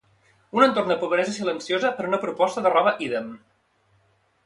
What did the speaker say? Un entorn de pobresa silenciosa per a una proposta de roba ídem.